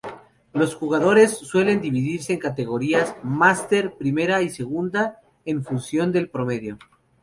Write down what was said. Los jugadores suelen dividirse en categorías: máster, primera y segunda, en función del promedio.